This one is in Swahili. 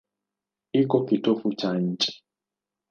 Iko kitovu cha nchi.